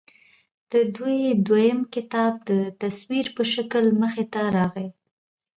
د دوي دويم کتاب د تصوير پۀ شکل کښې مخې ته راغے